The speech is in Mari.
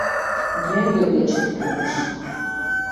— Мӧҥгӧ гыч, — манеш.